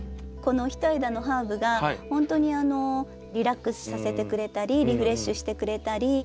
この一枝のハーブがほんとにリラックスさせてくれたりリフレッシュしてくれたり